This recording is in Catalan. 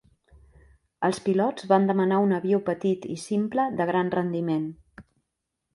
Els pilots van demanar un avió petit i simple de gran rendiment.